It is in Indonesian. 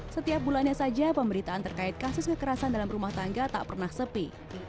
setiap bulannya saja pemberitaan terkait kasus kekerasan dalam rumah tangga tak pernah sepi